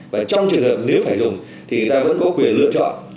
và trong trường hợp nếu phải dùng thì ta vẫn có quyền lựa chọn